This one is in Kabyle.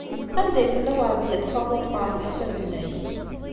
Anda ay tella Weṛdiya n Tsaḍurt, ɣef leḥsab-nnek?